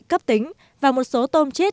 cấp tính và một số tôm chết